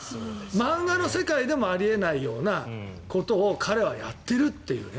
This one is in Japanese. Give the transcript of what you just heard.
漫画の世界でもあり得ないようなことを彼はやっているというね。